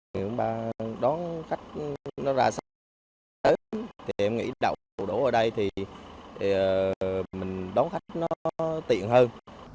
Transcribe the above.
những bạn đón khách nó ra sớm thì em nghĩ đậu đổ ở đây thì mình đón khách nó tiện hơn